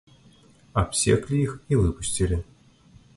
Абсеклі іх і выпусцілі.